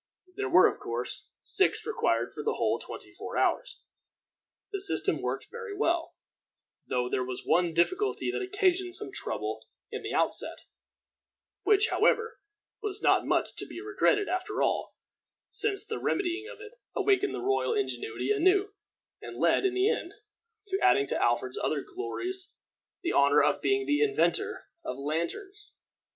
There were, of course, six required for the whole twenty four hours. The system worked very well, though there was one difficulty that occasioned some trouble in the outset, which, however, was not much to be regretted after all, since the remedying of it awakened the royal ingenuity anew, and led, in the end, to adding to Alfred's other glories the honor of being the inventor of lanterns!